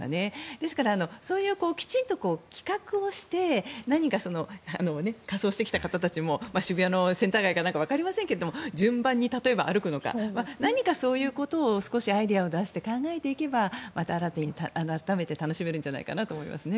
ですから、そういう企画をきちんとして何か仮装してきた方たちも渋谷のセンター街か何かわかりませんが順番に歩くのか何かそういうことを少しアイデアを出して考えていけば、また改めて楽しめるんじゃないかと思いますね。